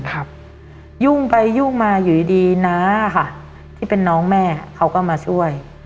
ยุ่งไปยุ่งมาอยู่ดีดีน้าค่ะที่เป็นน้องแม่เขาก็มาช่วย